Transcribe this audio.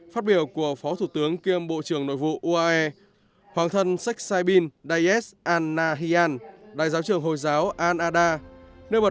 phát biểu của phó thủ tướng kiêm bộ trưởng nội vụ uae hoàng thân sách sai bin đại giáo trưởng hồi giáo an a da